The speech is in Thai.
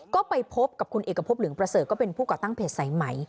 ก็ไปพบกับคุณเอกพบเหลืองประเสริฐก็เป็นผู้ก่อตั้งเพจสายไหม